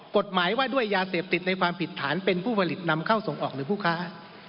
กฎหมายว่าด้วยยาเสพติดในความผิดฐานเป็นผู้ผลิตนำเข้าส่งออกหรือผู้ค้า